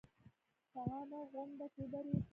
په عامه غونډه کې ودرېد.